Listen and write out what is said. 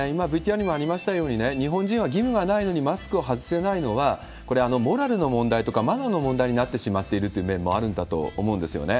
今、ＶＴＲにもありましたように、日本人は義務がないのにマスクが外せないのは、これ、モラルの問題とか、マナーの問題になってしまっているという面もあるんだと思うんですよね。